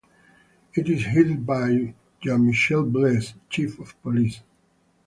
It is headed by Jean-Michel Blais, Chief of Police.